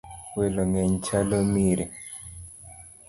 Welo ng'eny chalo mire.